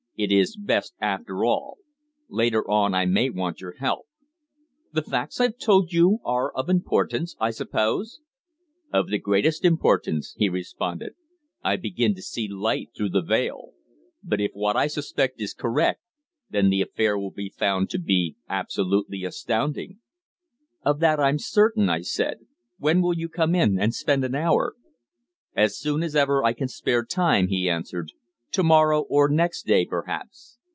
"It is best, after all. Later on I may want your help." "The facts I've told you are of importance, I suppose?" "Of the greatest importance," he responded. "I begin to see light through the veil. But if what I suspect is correct, then the affair will be found to be absolutely astounding." "Of that I'm certain," I said. "When will you come in and spend an hour?" "As soon as ever I can spare time," he answered. "To morrow, or next day, perhaps.